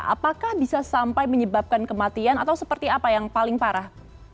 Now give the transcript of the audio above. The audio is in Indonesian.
apakah bisa sampai menyebabkan kematian atau seperti apa yang paling parah